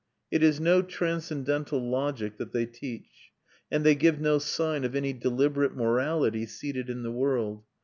It is no transcendental logic that they teach; and they give no sign of any deliberate morality seated in the world.